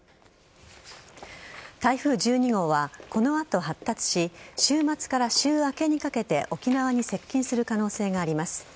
台風１２号はこの後、発達し週末から週明けにかけて沖縄に接近する可能性があります。